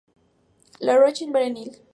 La Roche-en-Brenil